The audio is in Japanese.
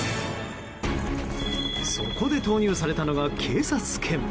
そこで投入されたのが警察犬。